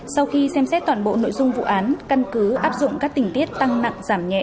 sau khi xem xét toàn bộ nội dung vụ án căn cứ áp dụng các tình tiết tăng nặng giảm nhẹ